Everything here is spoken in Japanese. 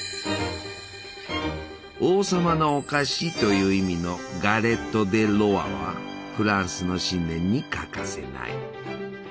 「王様のお菓子」という意味のガレット・デ・ロワはフランスの新年に欠かせない。